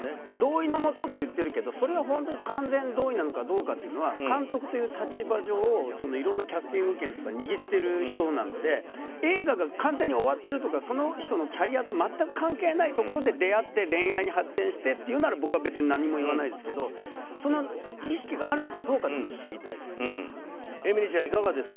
同意のもとって言ってるけどそれが本当に完全同意なのかどうかは監督という立場上いろんなキャスティング権とか握っている人なので映画が完全に終わってるとかその人のキャリアと全く関係ないところで出会って恋愛に発展してというなら僕は別に何も言わないですけどその意識があるのかどうかというのを知りたいです。